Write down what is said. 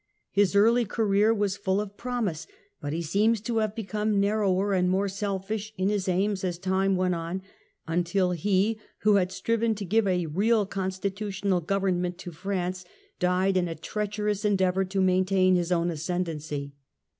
His early career was full of promise, but he seems to have become narrower and more selfish in his aims as time went on, until he, who had striven to give a real constitutional government to France, died in a treacherous endeavour to maintain his own ascend ancy.